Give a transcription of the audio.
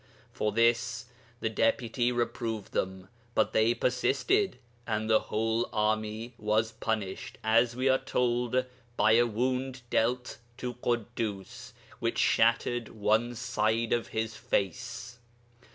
For this, the Deputy reproved them, but they persisted, and the whole army was punished (as we are told) by a wound dealt to Ḳuddus, which shattered one side of his face.